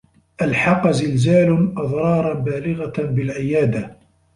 ألحق زلزال أضرارا بالغة بالعيادة.